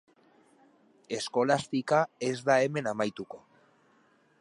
Eskolastika ez da hemen amaituko.